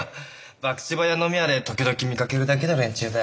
博打場や飲み屋で時々見かけるだけの連中だ。